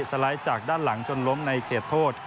สไลด์จากด้านหลังจนล้มในเขตโทษ